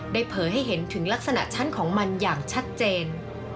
เผยให้เห็นถึงลักษณะชั้นของมันอย่างชัดเจน